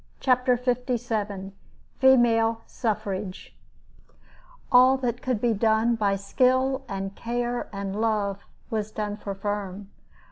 CHAPTER LVII FEMALE SUFFRAGE All that could be done by skill and care and love, was done for Firm.